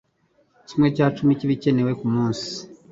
kimwe cya cumi k'ibikenewe ku munsi